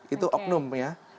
itu oknum ya